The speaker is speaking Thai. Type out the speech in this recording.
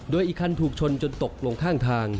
โดยอีกคันถูกชนจนตกลงข้างทาง